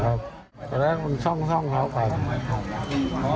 ครับตอนแรกมันซ่องคร้าวฟัน